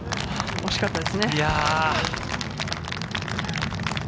惜しかったですね。